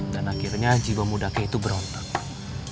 dan akhirnya anjiwa muda kay itu berontak